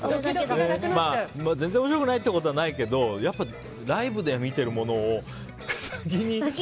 全然面白くないってことはないけどライブで見てるものを先に。